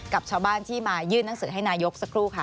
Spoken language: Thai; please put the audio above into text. กับชาวบ้านที่มายื่นหนังสือให้นายกสักครู่ค่ะ